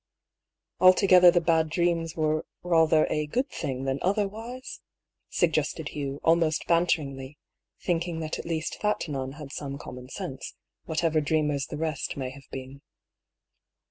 "Altogether the bad dreams were rather a good thing than otherwise ?" suggested Hugh, almost ban MERCEDEa 206 teringly, thinking that at least that nun had some common sense, whatever dreamers the rest may have been.